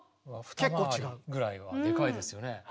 二回りぐらいはでかいですよね。